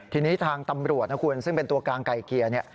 ทีนี้ทางตำรวจนะคุณซึ่งเป็นตัวกลางไก่เกลี่ยเนี่ย